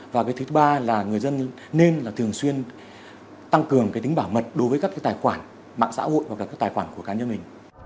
và thứ ba là người dân nên thường xuyên tăng cường tính bảo mật đối với các tài khoản mạng xã hội hoặc là các tài khoản của cá nhân mình